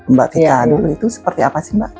mbak tita dulu itu seperti apa sih mbak